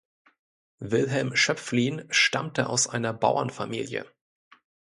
Wilhelm Schöpflin stammte aus einer Bauernfamilie.